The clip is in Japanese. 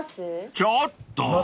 ［ちょっとー！］